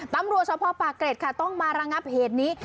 ตำรวจภพปากเกร็ชต้องมารังับเหตุนี้